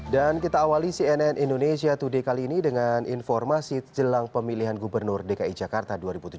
dan kita awali cnn indonesia today kali ini dengan informasi jelang pemilihan gubernur dki jakarta dua ribu tujuh belas